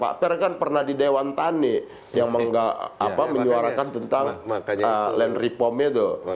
pak per kan pernah di dewan tani yang menyuarakan tentang land reform itu